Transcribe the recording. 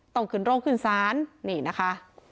ต้องขึ้นโรงขึ้นศาลนี่นะคะ